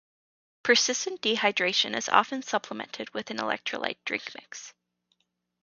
Persistent dehydration is often supplemented with an electrolyte mix drink.